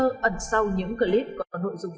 rủi ro gây ảnh hưởng